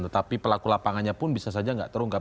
tetapi pelaku lapangannya pun bisa saja tidak terungkap